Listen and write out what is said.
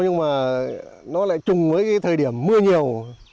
nhưng mà nó lại chung với cái thời điểm mưa nhiều